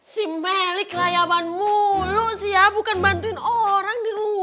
si melik layaban mulu sih ya bukan bantuin orang di rumah